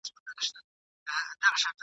سړي وویل راغلی مسافر یم !.